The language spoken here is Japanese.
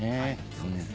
そうですね。